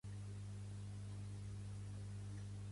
Carles Puigdemont és President de Generalitat de Catalunya